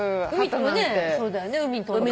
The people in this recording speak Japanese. そうだよね。